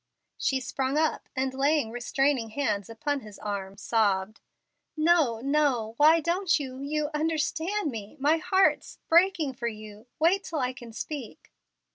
She sprung up, and laying restraining hands upon his arm, sobbed, "No no. Why don't you you understand me? My heart's breaking for you wait till I can speak."